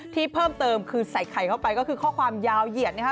ที่เพิ่มเติมคือใส่ไข่เข้าไปก็คือข้อความยาวเหยียดนะคะ